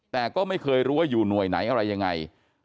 แต่ก็ไม่เคยรู้ว่าอยู่หน่วยไหนอะไรยังไง